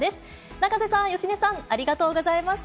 永瀬さん、芳根さん、ありがとうございました。